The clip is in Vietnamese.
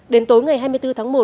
đến tối ngày hai mươi bốn tháng một